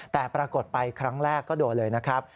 แต่ปรากฏไปครั้งแรกก็โดนเลยนะครับ